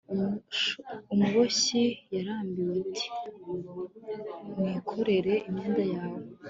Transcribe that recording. Umuboshyi yarambwiye ati Wikorere imyenda yawe